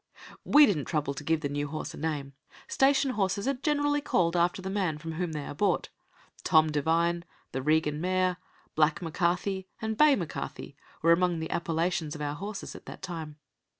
We didn't trouble to give the new horse a name. Station horses are generally called after the man from whom they are bought. "Tom Devine", "The Regan mare", "Black M'Carthy" and "Bay M'Carthy" were among the appellations of our horses at that time.